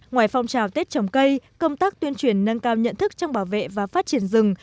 ngoài phong trào tết trồng cây công tác tuyên truyền nâng cao nhận thức trong bảo vệ và phát triển rừng